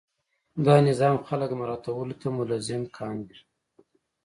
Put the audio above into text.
دا نظام خلک مراعاتولو ته ملزم کاندي.